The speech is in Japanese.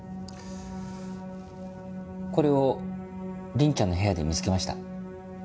これを凛ちゃんの部屋で見つけました。